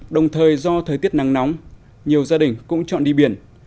đồng thời do thời tiết nắng nóng nhiều gia đình cũng chọn đi biển